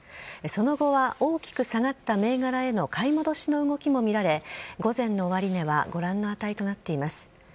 その後は大きく下がった銘柄への買い戻しの動きも見られ、午前の終値はご覧の値となっています。